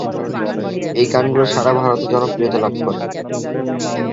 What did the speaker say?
এই গানগুলি সারা ভারতে জনপ্রিয়তা লাভ করে।